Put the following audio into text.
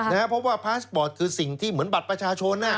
เพราะว่าพาสปอร์ตคือสิ่งที่เหมือนบัตรประชาชน